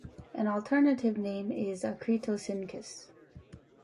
An alternative name is Acritoscincus.